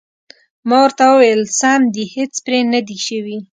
ما ورته وویل: سم دي، هېڅ پرې نه دي شوي.